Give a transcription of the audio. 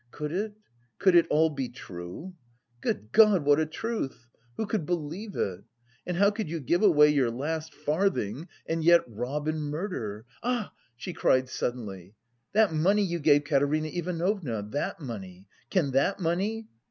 "Could it, could it all be true? Good God, what a truth! Who could believe it? And how could you give away your last farthing and yet rob and murder! Ah," she cried suddenly, "that money you gave Katerina Ivanovna... that money.... Can that money..."